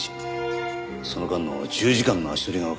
その間の１０時間の足取りがわかれば。